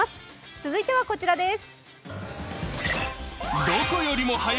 続いてはこちらです。